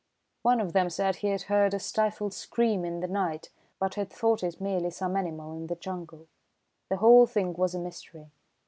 "One of them said he had heard a stifled scream in the night, but had thought it merely some animal in the jungle. The whole thing was a mystery.